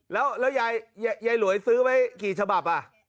แล้วยายหลวยซื้อไว้กี่ฉบับ